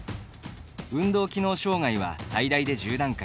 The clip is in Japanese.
運動機能障がいは最大で１０段階。